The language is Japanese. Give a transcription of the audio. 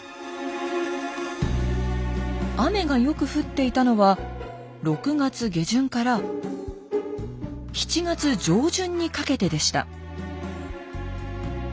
雨がよく降っていたのは６月下旬から７月上旬にかけてでした。